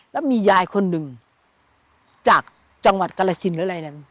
แล้วมียายคนหนึ่งจากจังหวัดกรสินหรืออะไรเนี่ย